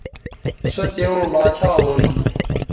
سو توؤں باچھا ھونو